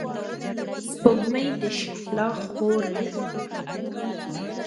سپوږمۍ د شهلا خور ده.